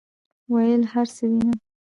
ویل هرڅه وینم،